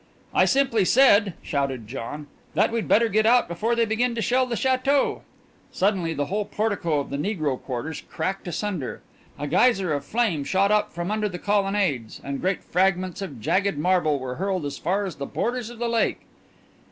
"I simply said," shouted John, "that we'd better get out before they begin to shell the château!" Suddenly the whole portico of the negro quarters cracked asunder, a geyser of flame shot up from under the colonnades, and great fragments of jagged marble were hurled as far as the borders of the lake.